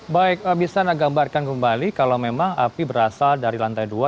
baik bisa anda gambarkan kembali kalau memang api berasal dari lantai dua